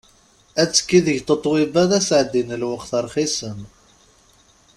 Atekki deg Tatoeba d asεeddi n lweqt rxisen.